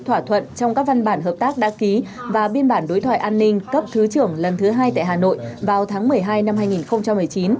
thỏa thuận trong các văn bản hợp tác đã ký và biên bản đối thoại an ninh cấp thứ trưởng lần thứ hai tại hà nội vào tháng một mươi hai năm hai nghìn một mươi chín